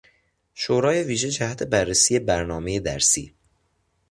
شورای ویژه جهت بررسی برنامهی درسی